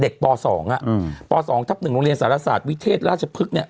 ป๒ป๒ทับ๑โรงเรียนสารศาสตร์วิเทศราชพฤกษ์เนี่ย